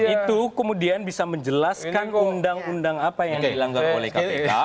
itu kemudian bisa menjelaskan undang undang apa yang dilanggar oleh kpk